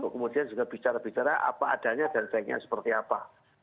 kemudian juga bicara bicara apa adanya dan seknya seperti apa